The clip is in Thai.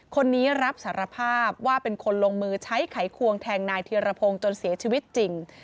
คนนี้รับสารภาพว่าเป็นคนลงมือใช้ไขควงแทงนายธีรพงศ์จนเสียชีวิตจริง